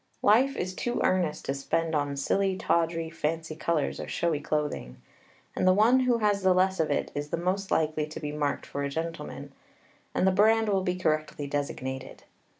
Life is too earnest to spend on silly, tawdry, fancy colors or showy clothing; and the one who has the less of it is the most likely to be marked for a gentleman, and the brand will be correctly designated.